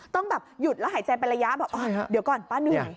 ต้องแบบหยุดแล้วหายใจเป็นระยะแบบเดี๋ยวก่อนป้าเหนื่อย